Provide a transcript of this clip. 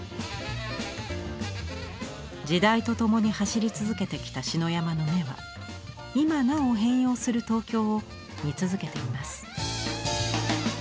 時代と共に走り続けてきた篠山の目は今なお変容する東京を見続けています。